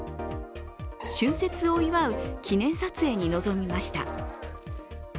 春節を祝う記念撮影に臨みました。